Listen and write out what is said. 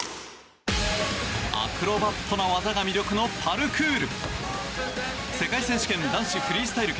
アクロバットな技が魅力のパルクール。